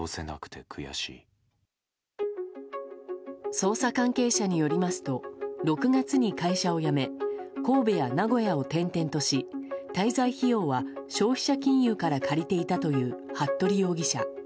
捜査関係者によりますと６月に会社を辞め神戸や名古屋を転々とし滞在費用は消費者金融から借りていたという服部容疑者。